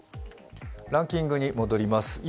ランキングに戻ります。